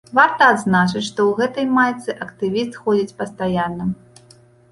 Варта адзначыць, што ў гэтай майцы актывіст ходзіць пастаянна.